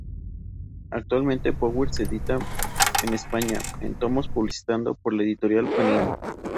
Actualmente, Powers se edita en España en tomos publicado por la Editorial Panini.